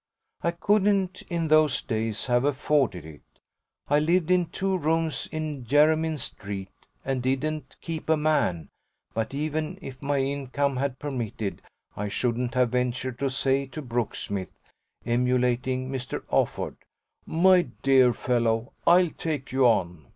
I couldn't in those days have afforded it I lived in two rooms in Jermyn Street and didn't "keep a man"; but even if my income had permitted I shouldn't have ventured to say to Brooksmith (emulating Mr. Offord) "My dear fellow, I'll take you on."